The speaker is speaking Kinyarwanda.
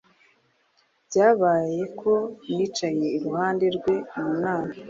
Byabaye ko nicaye iruhande rwe mu nama.